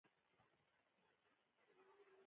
وړانګه، وړانګې، وړانګو، قاموسونه.